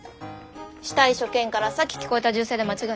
死体所見からさっき聞こえた銃声で間違いない。